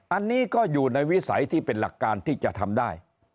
อันนี้ก็อยู่ในวิสัยที่เป็นหลักการที่จะทำได้